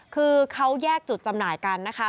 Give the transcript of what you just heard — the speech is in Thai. คือเขาแยกจุดจำหน่ายกันนะคะ